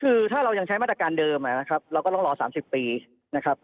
คือถ้าเรายังใช้มาตรการเดิมนะครับเราก็ต้องรอ๓๐ปีนะครับ